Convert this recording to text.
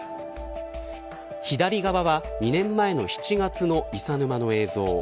左側は２年前の７月の伊佐沼の映像。